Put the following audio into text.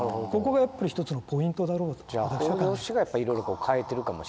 ここがやっぱり１つのポイントだろうと私は考えてます。